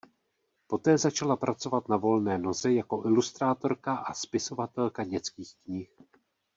Poté začala pracovat na volné noze jako ilustrátorka a spisovatelka dětských knih.